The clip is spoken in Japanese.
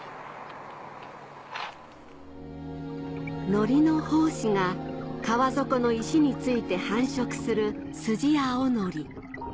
ノリの胞子が川底の石に付いて繁殖するスジアオノリ